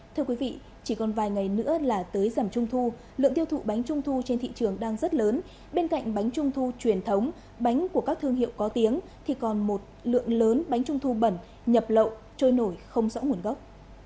thưa quý vị chỉ còn vài ngày nữa là tới giảm trung thu lượng tiêu thụ bánh trung thu trên thị trường đang rất lớn bên cạnh bánh trung thu truyền thống bánh của các thương hiệu có tiếng thì còn một lượng lớn bánh trung thu bẩn nhập lậu trôi nổi không rõ nguồn gốc